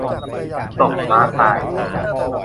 ตกม้าตาย